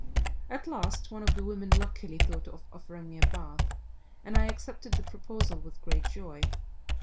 At last, one of the women luckily thought of offering me a bath, and I accepted the proposal with great joy.